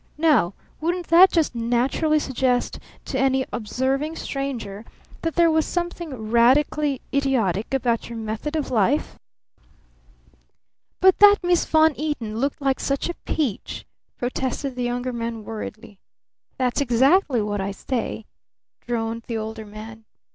Now wouldn't that just naturally suggest to any observing stranger that there was something radically idiotic about your method of life?" "But that Miss Von Eaton looked like such a peach!" protested the Younger Man worriedly. "That's exactly what I say," droned the Older Man.